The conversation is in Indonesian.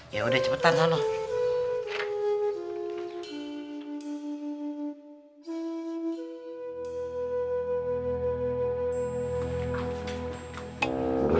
yaudah cepetan sana